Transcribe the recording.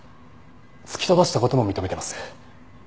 突き飛ばした事も認めてます。